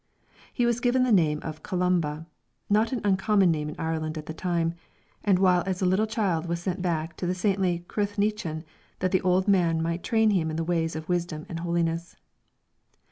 He was given the name of Columba, a not uncommon name in Ireland at the time, and while yet a little child was sent back to the saintly Cruithnechan that the old man might train him in the ways of wisdom and holiness.